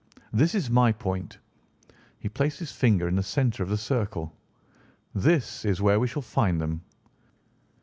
This is my point." He placed his finger in the centre of the circle. "This is where we shall find them."